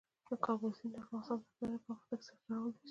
د کابل سیند د افغانستان د تکنالوژۍ پرمختګ سره تړاو لري.